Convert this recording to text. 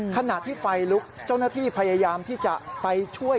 ขณะที่ไฟลุกเจ้าหน้าที่พยายามที่จะไปช่วย